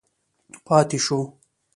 پاتې شو.